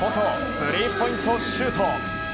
スリーポイントシュート。